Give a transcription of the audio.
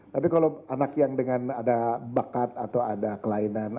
tapi kalau anak yang dengan ada bakat atau ada kelainan